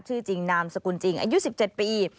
ชื่อจริงนามสกุลจริงอายุ๑๗ปี